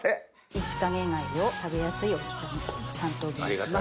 イシカゲ貝を食べやすい大きさに３等分します。